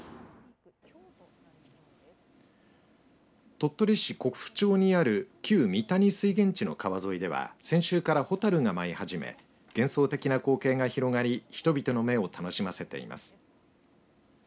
鳥取市国府町にある旧美歎水源地の川沿いでは先週からホタルが舞い始め幻想的な光景が広がり人々の目を楽しませています。